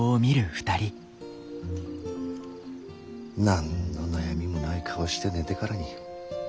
何の悩みもない顔して寝てからに。